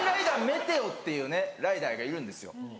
メテオっていうねライダーがいるんですよ。